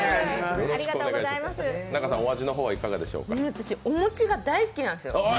私、お餅が大好きなんですよ。